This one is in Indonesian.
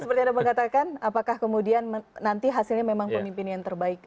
seperti anda mengatakan apakah kemudian nanti hasilnya memang pemimpin yang terbaik